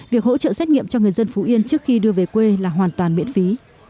việc hỗ trợ xét nghiệm cho người dân phú yên trước khi đưa về quê là hoàn toàn miễn phí